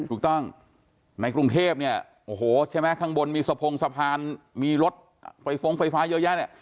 ถูกต้องในกรุงเทพเนี่ยโอ้โหใช่ไหมข้างบนมีสะพงสะพานมีรถไฟฟ้องไฟฟ้าเยอะแยะเนี่ย